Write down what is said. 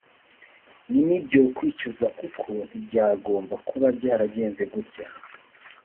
ni n’ibyo kwicuza kuko ntibyagomba kuba byaragenze gutya